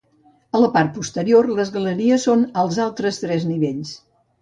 A la part posterior, les galeries són als tres nivells.